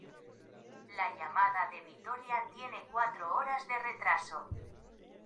La llamada de Victoria tiene cuatro horas de retraso.